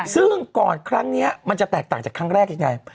ซึ่งก่อนครั้งนี้มันจะแตกต่างจากครั้งแรกยังไง